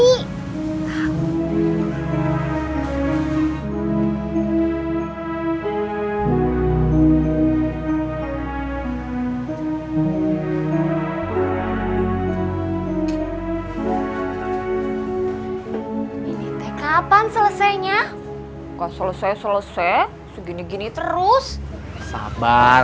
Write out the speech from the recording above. ini te kapan selesainya selesai selesai gini gini terus sabar